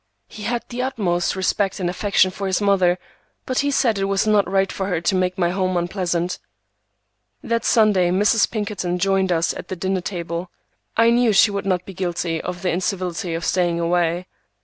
He had the utmost respect and affection for his mother, but he said it was not right for her to make my home unpleasant. That Sunday Mrs. Pinkerton joined us at the dinner table. I knew she would not be guilty of the incivility of staying away.